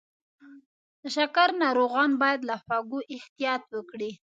د شکر ناروغان باید له خوږو احتیاط وکړي.